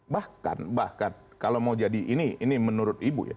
bahkan bahkan kalau mau jadi ini ini menurut ibu ya